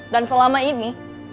dan selama ini